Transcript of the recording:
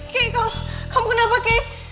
kek kamu kenapa kek